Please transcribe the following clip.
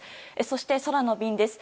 そして、空の便です。